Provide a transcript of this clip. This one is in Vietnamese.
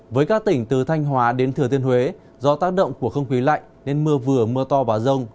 với các tỉnh từ thanh hóa đến thừa tiên huế do tác động của không khí lạnh nên mưa vừa mưa to và rông